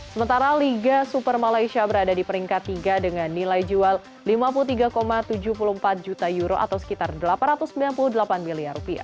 sementara liga super malaysia berada di peringkat tiga dengan nilai jual rp lima puluh tiga tujuh puluh empat juta euro atau sekitar rp delapan ratus sembilan puluh delapan miliar